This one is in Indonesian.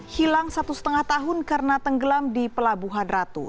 hilang satu lima tahun karena tenggelam di pelabuhan ratu